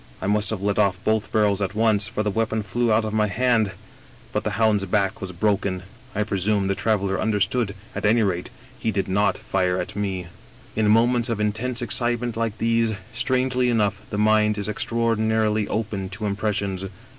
I must have let off both barrels at once, for the weapon flew out of my hand, but the hound's back was broken. I presume the traveler understood ; at any rate, he did not fire at me. 133 English Mystery Stories " In moments of intense excitement like these, strangely •enough, the mind is extraordinarily open to impressions.